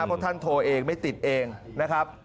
เพราะท่านโทรเองไม่ติดเองนะครับ